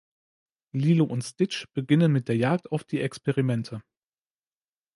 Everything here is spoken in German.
Lilo und Stitch beginnen mit der Jagd auf die Experimente.